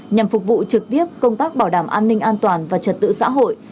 nhằm phục vụ trực tiếp công tác bảo đảm an ninh an toàn và trật tự xã hội